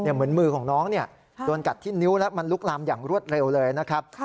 เหมือนมือของน้องโดนกัดที่นิ้วแล้วมันลุกลามอย่างรวดเร็วเลยนะครับ